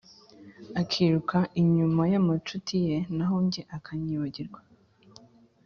akiruka inyuma y’amacuti ye, naho jye akanyibagirwa.